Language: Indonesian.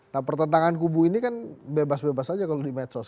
nah pertentangan kubu ini kan bebas bebas aja kalau di medsos